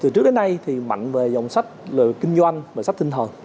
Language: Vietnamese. từ trước đến nay thì mạnh về dòng sách về kinh doanh về sách tinh thần